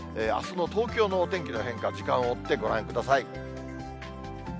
あすの東京のお天気の変化、時間を追ってご覧ください。